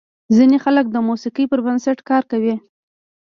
ځینې خلک د موسیقۍ پر بنسټ کار کوي.